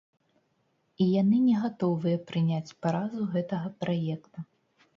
І яны не гатовыя прыняць паразу гэтага праекта.